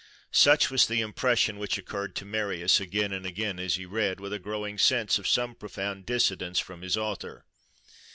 Such was the impression which occurred to Marius again and again as he read, with a growing sense of some profound dissidence from his author.